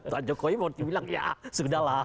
pak jokowi mau dibilang ya sudah lah